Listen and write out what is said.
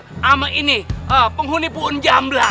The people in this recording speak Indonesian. sama ini penghuni poonjawa